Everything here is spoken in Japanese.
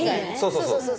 そうそうそう。